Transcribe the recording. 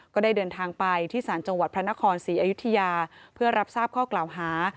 ก็ได้เดินทางไปที่ศาลจังหวัดพระนครศรีอยุธยาเพื่อรับทราบข้อกล่าวหา